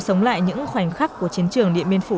sống lại những khoảnh khắc của chiến trường điện biên phủ